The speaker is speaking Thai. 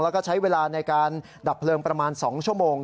แล้วก็ใช้เวลาในการดับเพลิงประมาณ๒ชั่วโมง